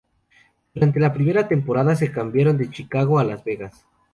Durante la primera temporada se cambiaron de Chicago a Las Vegas.